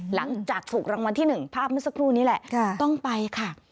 หลังจากถูกรางวัลที่๑ภาพเมื่อสักครู่นี้แหละต้องไปค่ะ